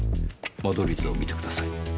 間取り図を見てください。